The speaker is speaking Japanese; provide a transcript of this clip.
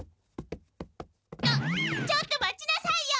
ちょっと待ちなさいよ